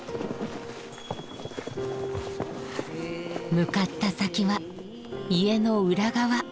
向かった先は家の裏側。